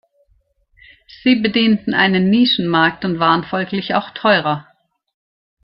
Sie bedienten einen Nischenmarkt und waren folglich auch teurer.